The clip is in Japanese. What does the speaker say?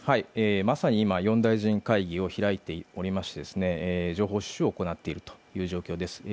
まさに今、四大臣会議を開いていて情報収集を行っているという状況です。